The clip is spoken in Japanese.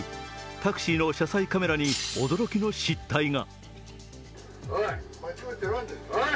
タクシーの車載カメラに驚きの失態が。